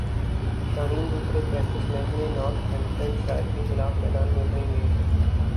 شاہین دوسرے practice match میں Northamptonshire کیخلاف میدان میں اتریں گے